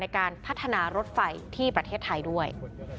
การพัฒนารถไฟที่ประเทศไทยด้วย